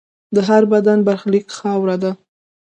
د هر بدن برخلیک خاوره ده.